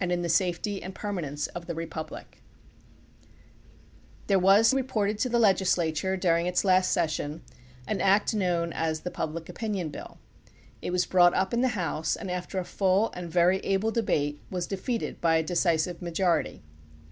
THE PUBLIC OPINION BILL 3 There was reported to the legislature during its last session an act known as the "Public Opinion Bill." It was brought up in the house, and after a full and very able debate was defeated by a decisive majority.